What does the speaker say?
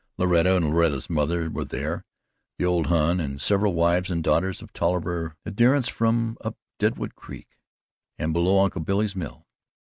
Loretta and Loretta's mother were there, and old Hon and several wives and daughters of Tolliver adherents from up Deadwood Creek and below Uncle Billy's mill.